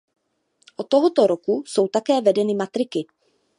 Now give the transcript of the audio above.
O tohoto roku jsou také vedeny matriky.